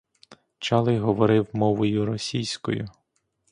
Чалий говорив мовою російською.